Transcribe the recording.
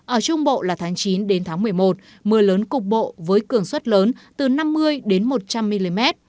ở trung bộ là tháng chín đến tháng một mươi một mưa lớn cục bộ với cường suất lớn từ năm mươi đến một trăm linh mm